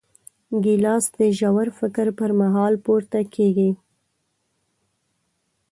ګیلاس د ژور فکر پر مهال پورته کېږي.